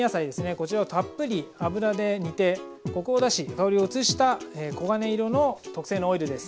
こちらをたっぷり油で煮てコクを出し香りを移した黄金色の特製のオイルです。